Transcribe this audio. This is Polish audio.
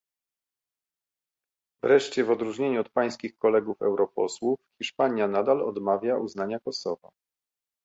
Wreszcie w odróżnieniu od pańskich kolegów europosłów Hiszpania nadal odmawia uznania Kosowa